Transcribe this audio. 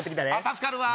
助かるわ！